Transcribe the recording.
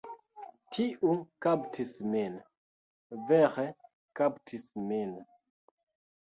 Tiu kaptis min. Vere kaptis min.